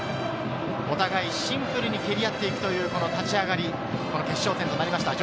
お互いシンプルに蹴りやっていくという立ち上がり、決勝戦となりました。